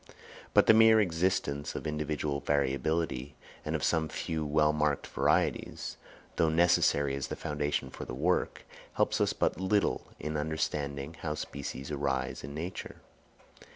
But the mere existence of individual variability and of some few well marked varieties, though necessary as the foundation for the work, helps us but little in understanding how species arise in nature.